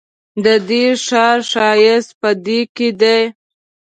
ددې ښار ښایست په دې کې دی.